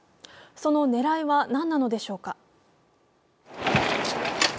その狙いは何なのでしょうか。